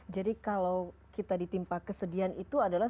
jadi kalau kita ditimpa kesedihan itu adalah